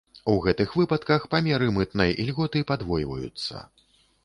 У гэтых выпадках памеры мытнай ільготы падвойваюцца.